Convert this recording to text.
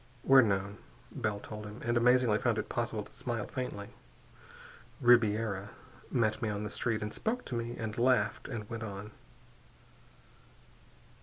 _" "We're known," Bell told him and amazingly found it possible to smile faintly "Ribiera met me on the street and spoke to me and laughed and went on."